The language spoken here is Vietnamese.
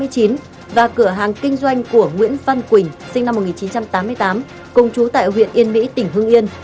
cửa hàng kinh doanh của nguyễn văn quỳnh sinh năm một nghìn chín trăm tám mươi tám cùng chú tại huyện yên mỹ tỉnh hương yên